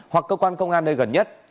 hoặc cơ quan công an nơi gần nhất